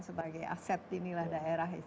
sebagai aset inilah daerah